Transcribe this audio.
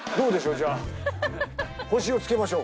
じゃあ星をつけましょう